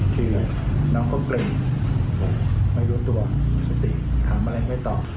คือน้องก็เกร็งไม่รู้ตัวสติถามอะไรไม่ตอบ